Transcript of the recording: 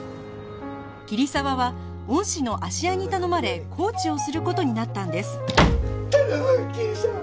桐沢は恩師の芦屋に頼まれコーチをする事になったんです頼む！